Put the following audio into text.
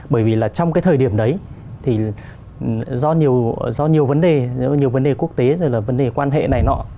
bởi vì trong cái thời điểm đấy do nhiều vấn đề quốc tế vấn đề quan hệ này nọ